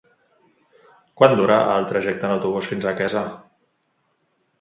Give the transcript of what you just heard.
Quant dura el trajecte en autobús fins a Quesa?